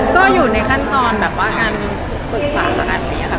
ก็อยู่ในขั้นตอนการปรึกษาสักอันเนี้ยครับ